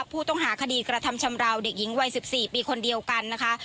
ผู้ต้องหาคดีกระทำชำราวเด็กหญิงวัย๑๔ปีคนเดียวกันนะคะ